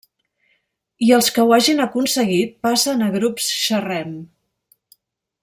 I els que ho hagin aconseguit, passen a grups Xerrem.